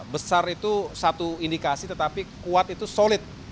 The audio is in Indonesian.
besar itu satu indikasi tetapi kuat itu solid